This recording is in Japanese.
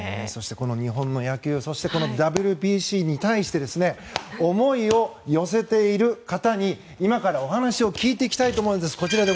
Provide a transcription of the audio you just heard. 日本の野球それにＷＢＣに対して思いを寄せている方に今からお話を聞いていきたいと思います。